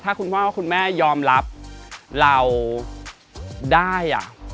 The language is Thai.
ถ้าคุณพ่อคุณแม่ยอมรับเราได้